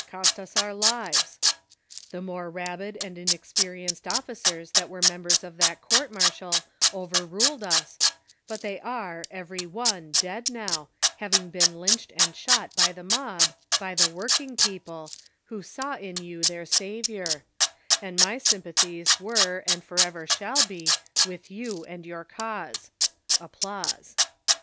cost us our lives I 368 THE SOCIAL WAR OF 1900; OR, " The more rabid and inexperienced officers that were members of that court martial overruled us, but they are, every one, dead now, having been lynched and shot by the mob, by the working people, who saw in you their saviour ; and my sympathies were, and forever shall be, with you and your cause. [Applause.